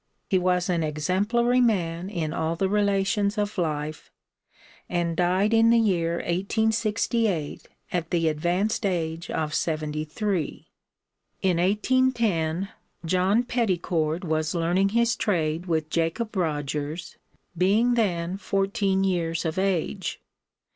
He was an exemplary man in all the relations of life, and died in the year 1868 at the advanced age of 73. In 1810 John Petticord was learning his trade with Jacob Rogers, being then fourteen years of age.